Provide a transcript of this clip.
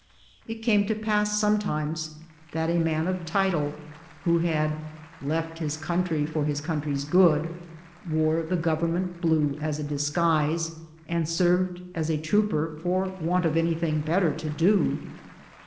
It came to pass sometimes that a man of title, who had " left his country for his country's good," wore the gov ernment blue as a disguise, and served as a trooper for want of anything better to do.